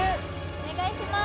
お願いします。